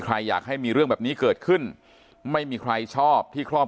อยากให้มีเรื่องแบบนี้เกิดขึ้นไม่มีใครชอบที่ครอบ